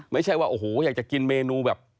ไม่ใช่ว่าโอ้โหอยากจะกินเมนูแบบ